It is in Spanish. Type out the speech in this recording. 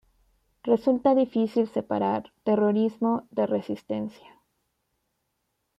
Resulta difícil separar "terrorismo" de "resistencia".